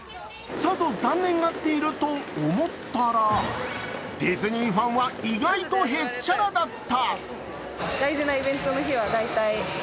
さぞ残念がっていると思ったらディズニーファンは意外とへっちゃらだった。